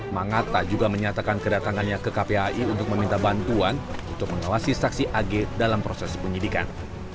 mangata juga menyatakan kedatangannya ke kpai untuk meminta bantuan untuk mengawasi saksi ag dalam proses penyidikan